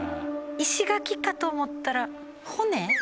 石垣かと思ったら骨？